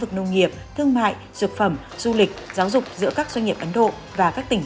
vực nông nghiệp thương mại dược phẩm du lịch giáo dục giữa các doanh nghiệp ấn độ và các tỉnh